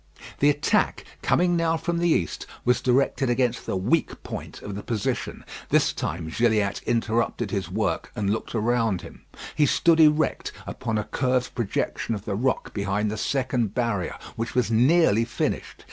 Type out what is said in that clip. The attack, coming now from the east, was directed against the weak point of the position. This time Gilliatt interrupted his work and looked around him. He stood erect, upon a curved projection of the rock behind the second barrier, which was nearly finished.